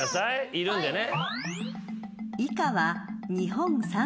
いるんでね。